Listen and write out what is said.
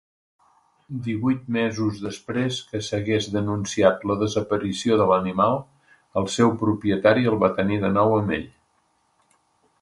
Divuit mesos després que s'hagués denunciat la desaspiració de l'animal, el seu propietari el va tenir de nou amb ell.